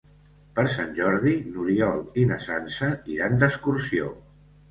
Per Sant Jordi n'Oriol i na Sança iran d'excursió.